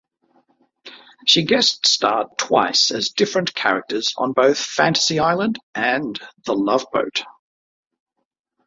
She guest-starred twice as different characters on both "Fantasy Island" and "The Love Boat".